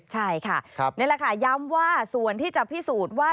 ใช่ค่ะนี่แหละค่ะย้ำว่าส่วนที่จะพิสูจน์ว่า